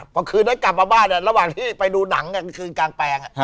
พอคืนนั้นกลับมาบ้านระหว่างที่ไปดูหนังคืนกลางแปลง